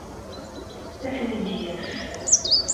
Ad ten-id-yaf.